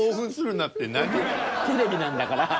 テレビなんだから。